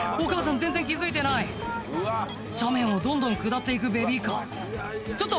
全然気付いてない斜面をどんどん下って行くベビーカーちょっと！